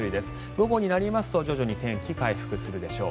午後になりますと徐々に天気回復するでしょう。